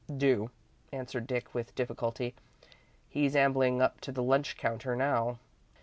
"Do," answered Dick, with difficulty. "He's ambling up to the lunch counter now."